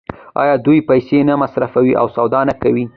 آیا دوی پیسې نه مصرفوي او سودا نه کوي؟